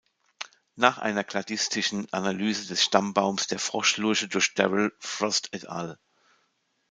Nach einer kladistischen Analyse des Stammbaums der Froschlurche durch Darrell Frost et al.